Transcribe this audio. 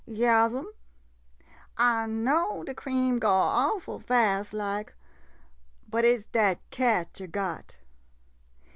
Yas 'm, I know de cream go awful fast — like — but it 's dat cat yo' got.